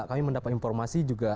kami mendapat informasi juga